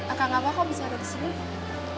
kakak gak apa kok bisa ada disini